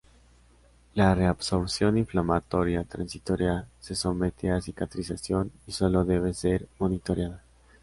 La reabsorción inflamatoria transitoria se somete a cicatrización y solo debe ser monitoreada.